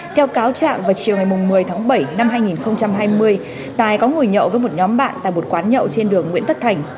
theo cáo trạng vào chiều một mươi bảy hai nghìn hai mươi tài có ngồi nhậu với một nhóm bạn tại một quán nhậu trên đường nguyễn tất thành